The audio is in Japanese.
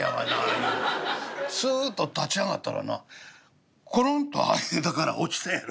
言うてすっと立ち上がったらなコロンと間から落ちたやろ。